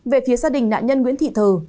về phía gia đình nạn nhân nguyễn thị thờ